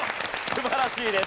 素晴らしいです。